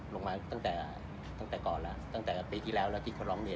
ดูอาจารย์อ่านก็สงสัยเป็นตีนิ่งเลย